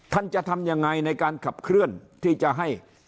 ท่านจะทำยังไงในการขับเคลื่อนที่จะให้